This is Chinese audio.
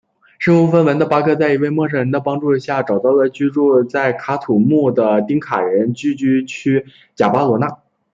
身无分文的巴克在一位陌生人的帮助下找到了居住在喀土穆的丁卡人聚居区贾巴罗纳。